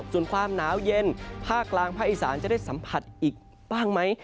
ส่วนความหนาวเย็นภาคกลางภาคอีสานจะได้สัมผัสอีกบ้างไหม